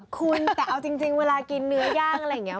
คุณแต่เอาจริงเวลากินเนื้อย่างอะไรอย่างนี้